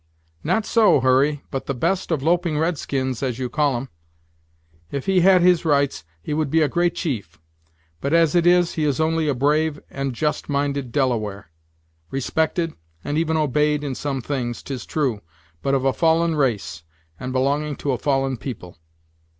"Not so, Hurry, but the best of loping red skins, as you call 'em. If he had his rights, he would be a great chief; but, as it is, he is only a brave and just minded Delaware; respected, and even obeyed in some things, 'tis true, but of a fallen race, and belonging to a fallen people.